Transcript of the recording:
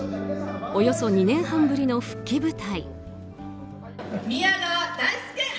およそ２年半ぶりの復帰舞台。